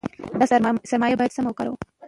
دا سرمایه باید سمه وکاروو.